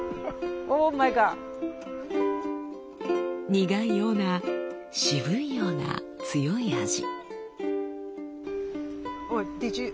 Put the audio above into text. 苦いような渋いような強い味。